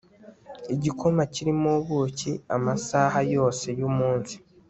igikoma kirimo ubuki amasaha yose y'umunsi